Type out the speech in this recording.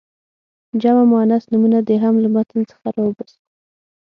جمع مؤنث نومونه دې هم له متن څخه را وباسي.